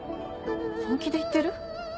本気で言ってる？